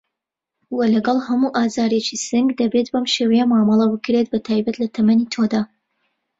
وه لەگەڵ هەموو ئازارێکی سنگ دەبێت بەم شێوەیە مامەڵه بکرێت بەتایبەت لە تەمەنی تۆدا